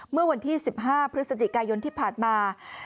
เมื่อวันที่๑๕พฤศจิกายนที่ผ่านมา